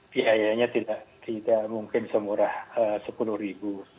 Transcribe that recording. biayanya tidak mungkin semurah sepuluh ribu